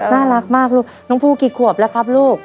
น่ารักมากลูกน้องภูกี่ขวบแล้วครับลูก